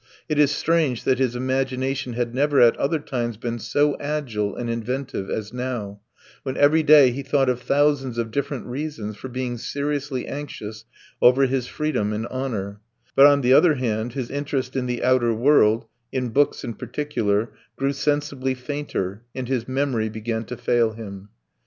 It is strange that his imagination had never at other times been so agile and inventive as now, when every day he thought of thousands of different reasons for being seriously anxious over his freedom and honour; but, on the other hand, his interest in the outer world, in books in particular, grew sensibly fainter, and his memory began to fail him.